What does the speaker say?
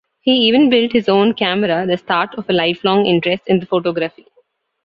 He even built his own camera, the start of a lifelong interest in photography.